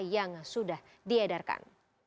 yang sudah diedarkan